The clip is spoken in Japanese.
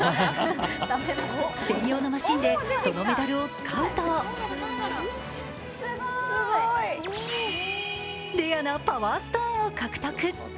専用のマシーンでそのメダルを使うとレアなパワーストーンを獲得。